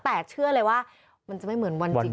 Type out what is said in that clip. แต่เชื่อเลยว่ามันจะไม่เหมือนวันจริง